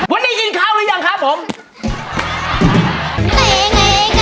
วันนี้กินข้าวหรือยังครับผม